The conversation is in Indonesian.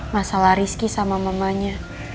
masalah rizky sama mamanya